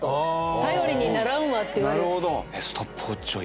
頼りにならんわって言われて。